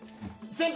先輩！